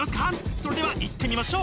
それではいってみましょう！